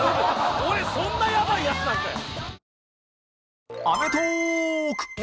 俺そんなやばいヤツなんかい！